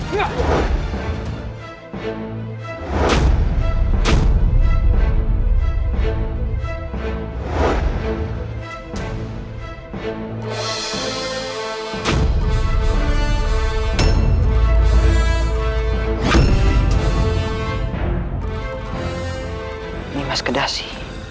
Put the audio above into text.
ini mas kedasi